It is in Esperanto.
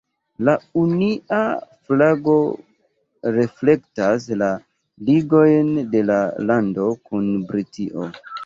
La Unia flago reflektas la ligojn de la lando kun Britio.